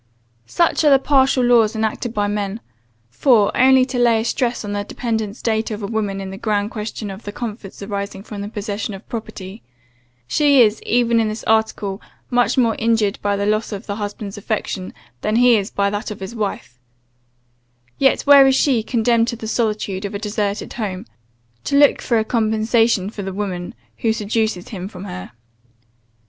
"Such are the partial laws enacted by men; for, only to lay a stress on the dependent state of a woman in the grand question of the comforts arising from the possession of property, she is [even in this article] much more injured by the loss of the husband's affection, than he by that of his wife; yet where is she, condemned to the solitude of a deserted home, to look for a compensation from the woman, who seduces him from her?